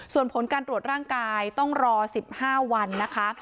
ส่วนผลการตรวจร่างกายต้องรอ๑๕วันนะคะ